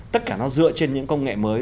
tất cả nó dựa trên những công nghệ mới